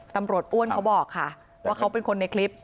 ตำรวจอ้วนเขาบอกว่าเขาเป็นคนในคลิป